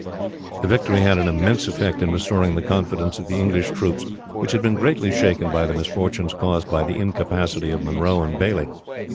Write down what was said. "The victory had an immense effect in restoring the confidence of the English troops, which had been greatly shaken by the misfortunes caused by the incapacity of Munro and Baillie.